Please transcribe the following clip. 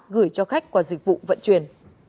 gửi cho khách qua dịch vụ vận chuyển